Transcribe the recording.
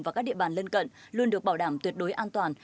và các địa bàn lân cận luôn được bảo đảm tuyệt đối an toàn